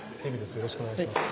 よろしくお願いします。